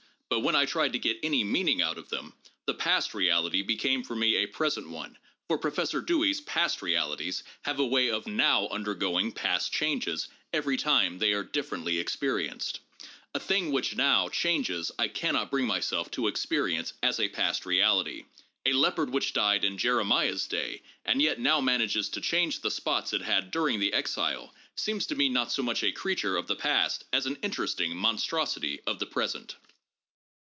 But when I tried to get any meaning out of them, the ' past ' reality became for me a present one, for Professor Dewey's past realities have a way of now undergoing past changes every time they are differently experienced. A thing which now changes I cannot bring myself to experience as a past reality. A leopard which died in Jeremiah's day and yet now manages to change the spots it had during the Exile, seems to me not so much a creature of the past as an interesting monstrosity of the present.